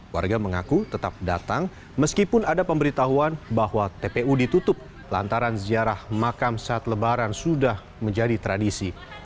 warga mengaku tetap datang meskipun ada pemberitahuan bahwa tpu ditutup lantaran ziarah makam saat lebaran sudah menjadi tradisi